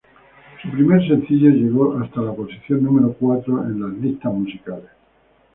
Su primer sencillo llegó hasta la posición número cuatro en las listas musicales.